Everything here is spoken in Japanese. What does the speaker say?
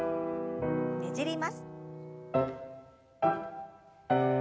ねじります。